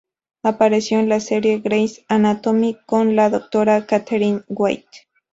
Apareció en la serie "Grey's Anatomy" como la Dr. Katharine Wyatt.